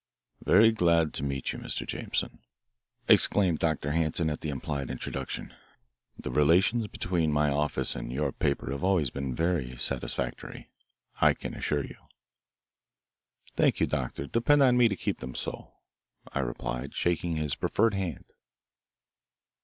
"Very glad to meet you, Mr. Jameson," exclaimed Dr. Hanson at the implied introduction. "The relations between my office and your paper have always been very satisfactory, I can assure you." "Thank you, Doctor. Depend on me to keep them so," I replied, shaking his proffered hand.